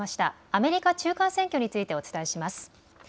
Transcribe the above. アメリカ中間選挙についてお伝えします。